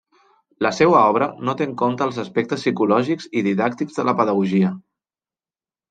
La seua obra no té en compte els aspectes psicològics i didàctics de la pedagogia.